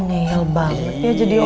ngeel banget ya jadi orang